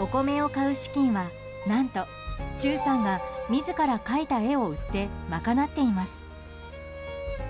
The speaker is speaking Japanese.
お米を買う資金は何と、忠さんが自ら描いた絵を売って賄っています。